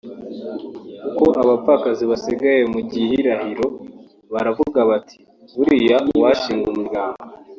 uko abapfakazi basigaye mu gihirahiro baravuga bati ‘buriya uwashinga umuryango